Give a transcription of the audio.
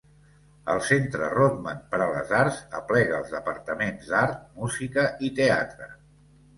El Centre Rodman per a les Arts aplega els departaments d'art, música i teatre.